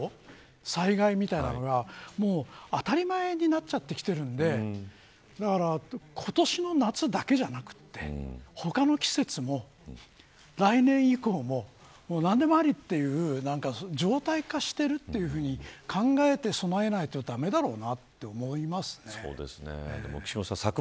災害みたいなものが当たり前になってきているのでだから、今年の夏だけじゃなくて他の季節も来年以降も何でもありという常態化しているというふうに考えて備えないと駄目だろうなと思います。